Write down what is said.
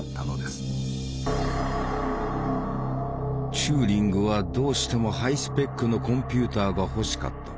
チューリングはどうしてもハイスペックのコンピューターが欲しかった。